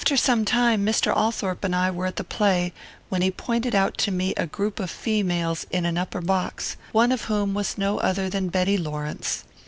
Some time after, Mr. Althorpe and I were at the play, when he pointed out to me a group of females in an upper box, one of whom was no other than Betty Lawrence.